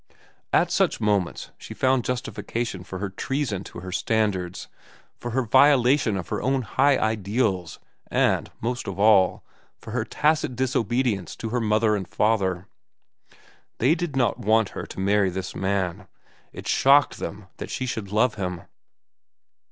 At such moments she found justification for her treason to her standards, for her violation of her own high ideals, and, most of all, for her tacit disobedience to her mother and father. They did not want her to marry this man. It shocked them that she should love him.